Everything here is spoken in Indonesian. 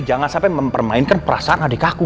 jangan sampai mempermainkan perasaan adik aku